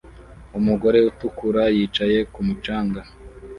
Umugore utukura yicaye ku mucanga